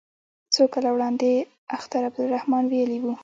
څو کاله وړاندې اختر عبدالرحمن ویلي وو.